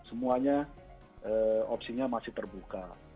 semuanya opsinya masih terbuka